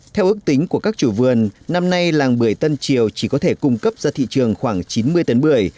theo ước tính của các chủ vườn năm nay làng bưởi tân triều chỉ có thể cung cấp ra thị trường khoảng chín mươi tấn bưởi